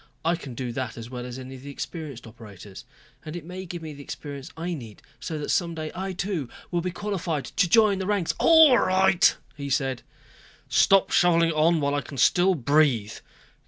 I can do that as well as any of the experienced operators. And it may give me the experience I need, so that some day, I, too, will be qualified to join the ranks...." "All right," he said. "Stop shoveling it on while I can still breathe.